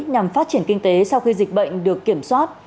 nhằm phát triển kinh tế sau khi dịch bệnh được kiểm soát